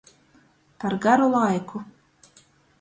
Par garu laiku.